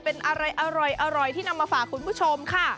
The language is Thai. เป็นอะไรอร่อยที่นำมาฝากคุณผู้ชมค่ะ